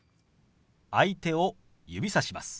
相手を指さします。